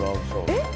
えっ？